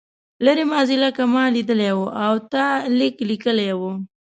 لرې ماضي لکه ما لیدلې وه او تا لیک لیکلی و.